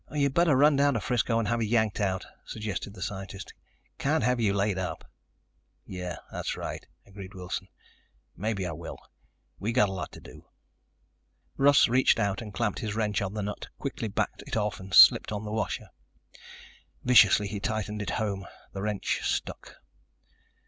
"You better run down to Frisco and have it yanked out," suggested the scientist. "Can't have you laid up." "Yeah, that's right," agreed Wilson. "Maybe I will. We got a lot to do." Russ reached out and clamped his wrench on the nut, quickly backed it off and slipped on the washer. Viciously he tightened it home. The wrench stuck.